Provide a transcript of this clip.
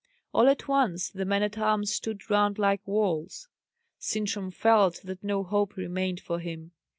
All at once the men at arms stood round like walls. Sintram felt that no hope remained for him.